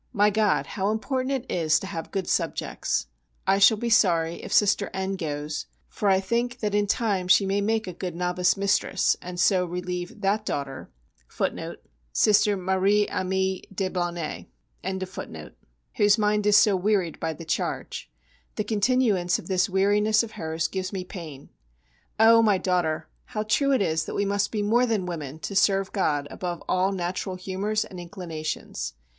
My God! how important it is to have good subjects! I shall be sorry if Sister N. goes, for I think that in time she may make a good novice mistress and so relieve that daughter[C] whose mind is so wearied by the charge. The continuance of this weariness of hers gives me pain. Oh! my daughter, how true it is that we must be more than women to serve God above all natural humours and inclinations.